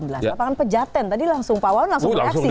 lapangan pejaten tadi langsung pak walon langsung beraksi